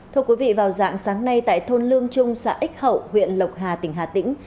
thưa quý vị vào dạng sáng nay tại thôn lương trung xã x hậu huyện lộc hà tỉnh hà tĩnh